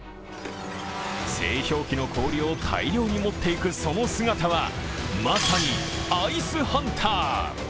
製氷機の氷を大量に持っていくその姿はまさにアイスハンター。